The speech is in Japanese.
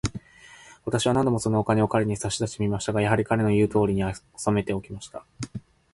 私は何度も、そのお金を彼に差し出してみましたが、やはり、彼の言うとおりに、おさめておきました。